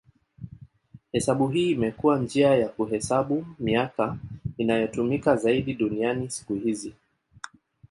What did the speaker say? Hesabu hii imekuwa njia ya kuhesabu miaka inayotumika zaidi duniani siku hizi.